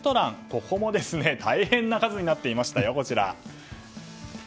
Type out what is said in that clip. ここも大変な数になっていました。